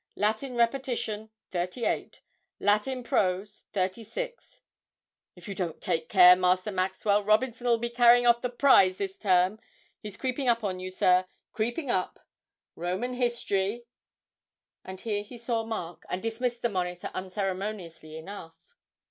Latin repetition, thirty eight; Latin prose, thirty six if you don't take care, Master Maxwell, Robinson'll be carrying off the prize this term, he's creeping up to you, sir, creeping up; Roman History' and here he saw Mark, and dismissed the monitor unceremoniously enough.